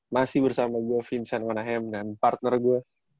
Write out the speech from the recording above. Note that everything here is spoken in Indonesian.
masih bersama gue vincent monahem dan partner gue